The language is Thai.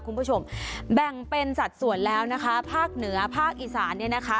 คุณผู้ชมแบ่งเป็นสัดส่วนแล้วนะคะภาคเหนือภาคอีสานเนี่ยนะคะ